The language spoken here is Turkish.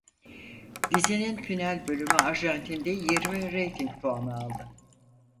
Dizinin final bölümü Arjantin'de yirmi rating puanı aldı.